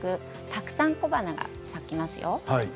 たくさん小花が咲きますよ。